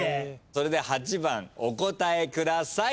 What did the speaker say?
それでは８番お答えください！